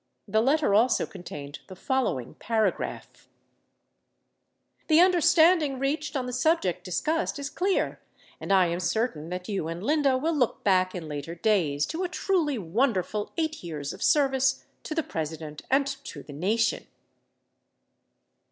The letter also contained the following paragraph: The understanding reached on the subject discussed is clear and I am certain that you and Linda will look back in later days to a truly wonderful 8 years of service to the President and to the Nation.